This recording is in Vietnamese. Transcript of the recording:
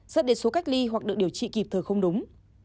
dẫn đến số cách ly hoặc được điều trị kịp thời không đúng